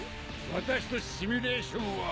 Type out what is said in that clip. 私とシミュレーションは。